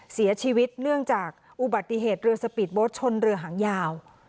เสียชีวิตเนื่องจากอุบัติเหตุเรือสปีดโบ๊ทชนเรือหางยาว